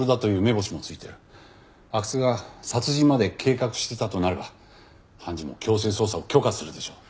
阿久津が殺人まで計画していたとなれば判事も強制捜査を許可するでしょう。